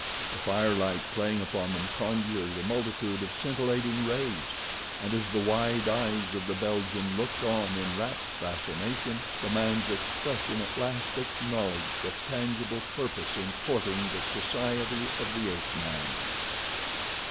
The firelight playing upon them conjured a multitude of scintillating rays, and as the wide eyes of the Belgian looked on in rapt fascination, the man's expression at last acknowledged a tangible purpose in courting the society of the ape man.